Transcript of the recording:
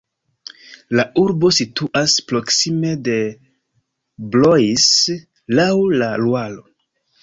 La urbo situas proksime de Blois laŭ la Luaro.